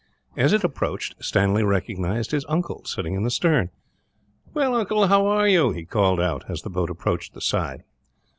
As it approached, Stanley recognized his uncle sitting in the stern. "Well, uncle, how are you?" he called out, as the boat approached the side.